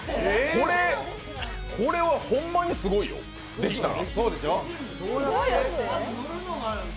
これはほんまにすごいよできたら。